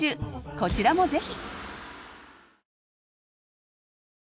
こちらもぜひ！